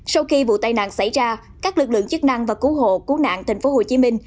sau khi vụ tai nạn xảy ra các lực lượng chức năng và cứu hộ cứu nạn thành phố hồ chí minh